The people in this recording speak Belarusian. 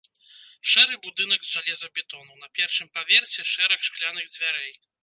Шэры будынак з жалезабетону, на першым паверсе шэраг шкляных дзвярэй.